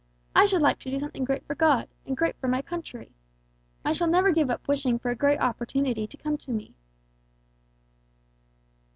I should like to do something great for God, and great for my country. I shall never give up wishing for a great opportunity to come to me!"